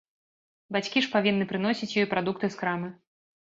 Бацькі ж павінны прыносіць ёй прадукты з крамы.